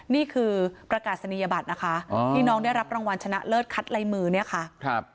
นี่คือประกาศนียบัตรนะคะที่น้องได้รับรางวัลชนะเลิศคัดลายมือเนี่ยค่ะ